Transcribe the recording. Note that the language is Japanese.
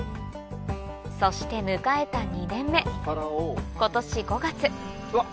そして迎えた２年目今年５月うわっ